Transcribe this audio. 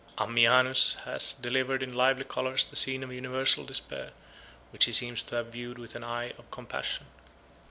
Ammianus has delineated in lively colors the scene of universal despair, which he seems to have viewed with an eye of compassion.